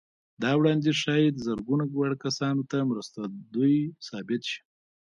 دا وړانديز ښايي زرګونه وړ کسانو ته مرستندوی ثابت شي.